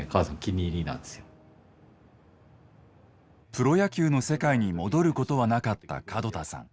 プロ野球の世界に戻ることはなかった門田さん。